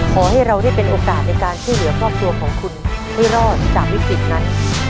ขอให้เราได้เป็นโอกาสในการช่วยเหลือครอบครัวของคุณให้รอดจากวิกฤตนั้น